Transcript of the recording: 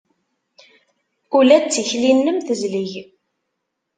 Ula d tikli-m tezleg.